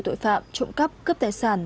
tội phạm trộm cắp cướp tài sản